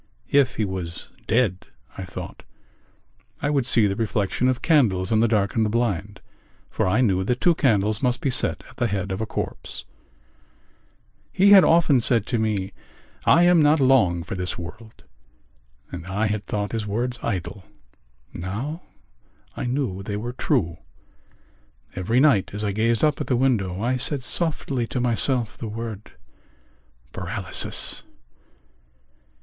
If he was dead, I thought, I would see the reflection of candles on the darkened blind for I knew that two candles must be set at the head of a corpse. He had often said to me: "I am not long for this world," and I had thought his words idle. Now I knew they were true. Every night as I gazed up at the window I said softly to myself the word paralysis.